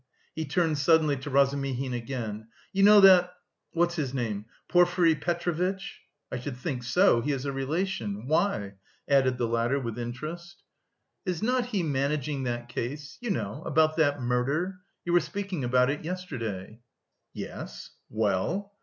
he turned suddenly to Razumihin again. "You know that... what's his name... Porfiry Petrovitch?" "I should think so! He is a relation. Why?" added the latter, with interest. "Is not he managing that case... you know, about that murder?... You were speaking about it yesterday." "Yes... well?"